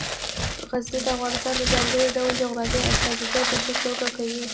غزني د افغانستان د ځانګړي ډول جغرافیې استازیتوب په ښه توګه کوي.